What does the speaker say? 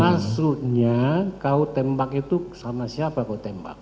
maksudnya kau tembak itu sama siapa kau tembak